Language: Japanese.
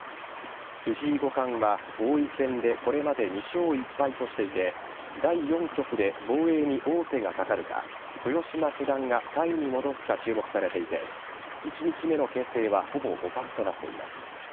藤井五冠は王位戦でこれまで２勝１敗としていて第４局で防衛に王手がかかるか豊島九段がタイに戻すか注目されていて１日目の形勢はほぼ互角となっています。